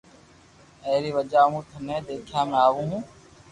اي ري وجھ مون ٿني ديکيا ۾ آوو ھون